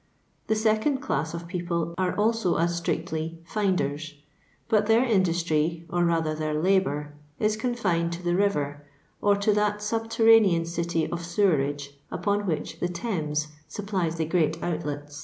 The second class of people are also as strictly Jinden ; but their in dustry, or ather their labour, is confined to the river, or to that subterranean dty of sewemge Nnto which the Thames supplies the great outleu.